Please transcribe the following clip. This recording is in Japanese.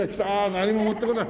何も持ってこない。